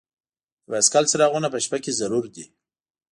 د بایسکل څراغونه په شپه کې ضرور دي.